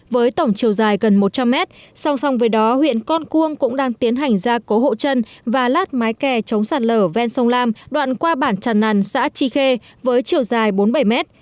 với tổng chiều dài gần một trăm linh m song song với đó huyện con cuồng cũng đang tiến hành ra cố hộ chân và lát mái kè chống sạt lở ven sông lam đoạn qua bản tràn nằn xã tri khê với chiều dài bốn mươi bảy m